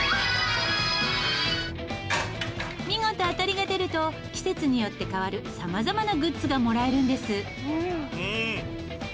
見事当たりが出ると季節によって変わるさまざまなグッズがもらえるんです。